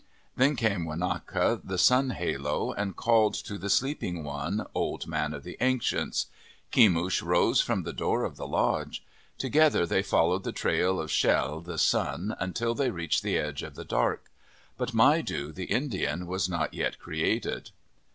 Then came Wanaka, the sun halo, and called to the sleep ins: one, Old Man of the Ancients. Kemush rose o from the door of the lodge. Together they followed the trail of Shel, the sun, until they reached the edge of the dark. But Maidu, the Indian, was not yet created.